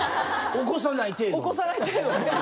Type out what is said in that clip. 起こさない程度で。